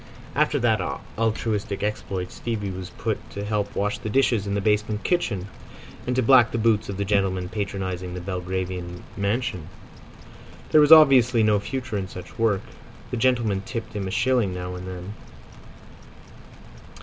After that altruistic exploit Stevie was put to help wash the dishes in the basement kitchen, and to black the boots of the gentlemen patronising the Belgravian mansion. There was obviously no future in such work. The gentlemen tipped him a shilling now and then.